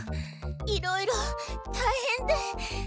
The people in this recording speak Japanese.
いろいろたいへんで。